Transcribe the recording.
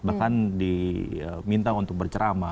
bahkan diminta untuk bercerama